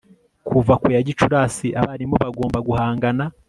kuva ku ya Gicurasi abarimu bagomba guhangana